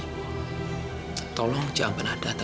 ibu mau ke tempatnya andre